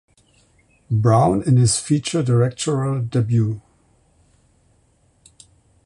Brown in his feature directorial debut.